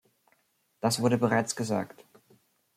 Das wurde bereits gesagt.